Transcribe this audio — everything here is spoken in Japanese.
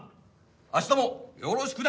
明日もよろしくね！